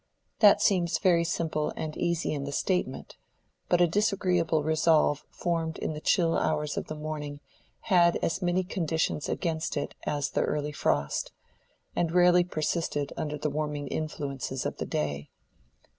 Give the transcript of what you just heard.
That seems very simple and easy in the statement; but a disagreeable resolve formed in the chill hours of the morning had as many conditions against it as the early frost, and rarely persisted under the warming influences of the day.